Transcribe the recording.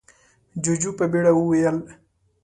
جُوجُو په بيړه وويل: